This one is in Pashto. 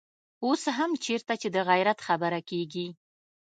اوس هم چېرته چې د غيرت خبره کېږي.